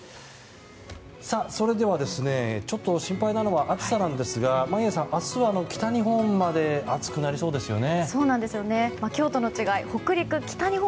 それではちょっと心配なのは暑さなんですが、眞家さん明日は北日本まで暑くなりそうですよね。